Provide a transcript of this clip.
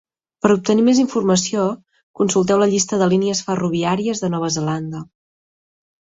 Per obtenir més informació, consulteu la llista de línies ferroviàries de Nova Zelanda.